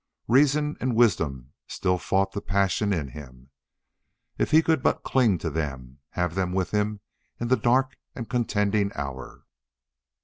Reason and wisdom still fought the passion in him. If he could but cling to them have them with him in the dark and contending hour!